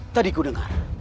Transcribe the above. tadi ku dengar